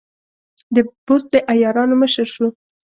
د بست د عیارانو مشر شو.